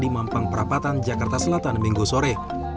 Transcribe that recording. di mampang perapatan jakarta selatan minggu sore